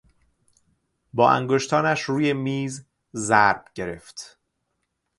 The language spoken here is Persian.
با انگشتانش روی میز ضرب گرفت.